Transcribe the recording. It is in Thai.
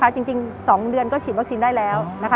จริง๒เดือนก็ฉีดวัคซีนได้แล้ว